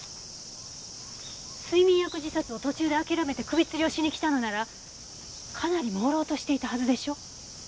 睡眠薬自殺を途中で諦めて首つりをしに来たのならかなり朦朧としていたはずでしょ。